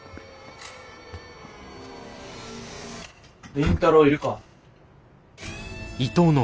倫太郎いるか？